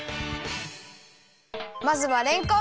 まずはれんこん。